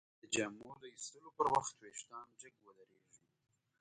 د جامو د ویستلو پر وخت وېښتان جګ ودریږي.